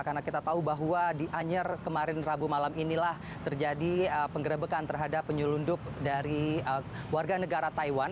karena kita tahu bahwa di anyer kemarin rabu malam inilah terjadi penggerebekan terhadap penyelundup dari warga negara taiwan